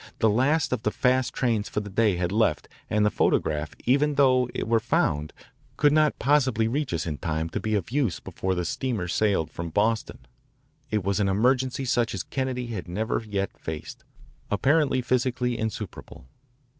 The last of the fast trains for the day had left and the photograph, even though it were found, could not possibly reach us in time to be of use before the steamer sailed from Brooklyn. It was an emergency such as Kennedy had never yet faced, apparently physically insuperable.